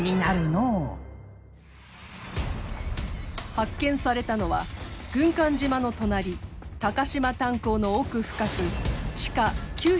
発見されたのは軍艦島の隣高島炭鉱の奥深く地下９１７ｍの坑内。